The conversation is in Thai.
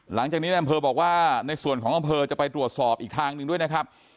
หลังจากนี้แน่นเพอบอกว่าในส่วนของแน่นเพอจะไปตรวจสอบอีกทางด้วยนะครับ